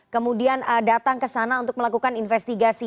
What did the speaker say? kemudian datang kesana untuk melakukan investigasi